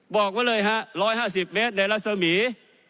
บอกไว้เลยฮะ๑๕๐เมตรในรัศมี